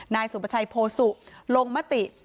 นายสุประชัยโพสุลงมติ